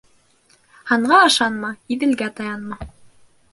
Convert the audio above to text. Ханға ышанма, Иҙелгә таянма.